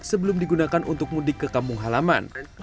sebelum digunakan untuk mudik ke kampung halaman